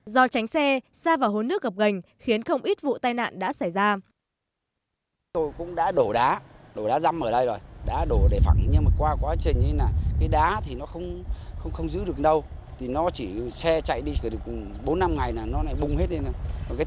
do tránh xe xa vào hố nước gập gành khiến không ít vụ tai nạn đã xảy ra